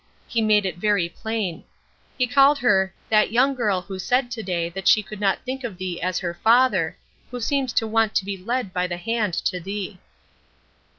He made it very plain. He called her "that young girl who said to day that she could not think of thee as her Father; who seems to want to be led by the hand to thee."